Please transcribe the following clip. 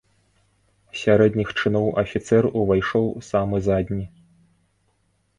Сярэдніх чыноў афіцэр увайшоў самы задні.